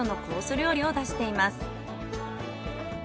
料理を出しています。